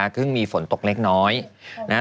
เพิ่งมีฝนตกเล็กนะ